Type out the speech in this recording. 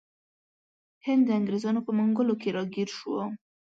هند د انګریزانو په منګولو کې راګیر شو.